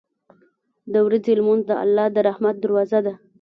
• د ورځې لمونځ د الله د رحمت دروازه ده.